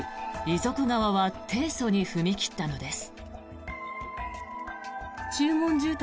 遺族側は提訴に踏み切ったのです。